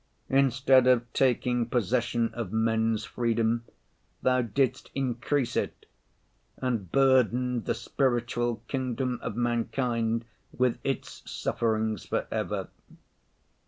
Instead of taking possession of men's freedom, Thou didst increase it, and burdened the spiritual kingdom of mankind with its sufferings for ever.